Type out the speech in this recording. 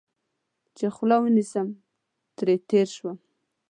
چې خوله ونیسم، ترې تېر شوم.